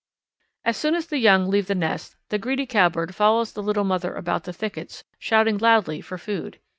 As soon as the young leave the nest the greedy Cowbird follows the little mother about the thickets, shouting loudly for food.